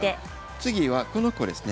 次はこの子ですね。